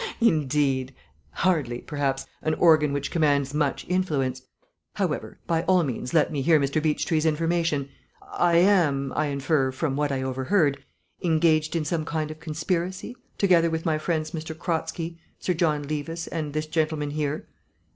"Indeed? Hardly, perhaps, an organ which commands much influence. However, by all means let me hear Mr. Beechtree's information. I am, I infer, from what I overheard, engaged in some kind of conspiracy, together with my friends M. Kratzky, Sir John Levis, and this gentleman here.